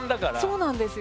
そうなんですよ。